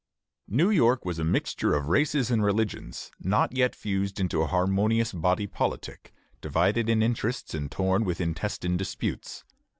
New York was a mixture of races and religions not yet fused into a harmonious body politic, divided in interests and torn with intestine disputes.